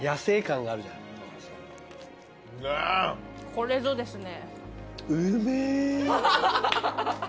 「これぞ」ですね。